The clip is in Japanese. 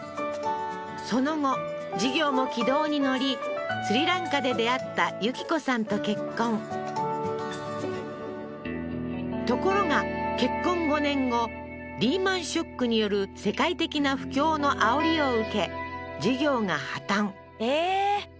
その後事業も軌道に乗りスリランカで出会った由紀子さんと結婚ところが結婚５年後リーマン・ショックによる世界的な不況のあおりを受け事業が破綻ええー？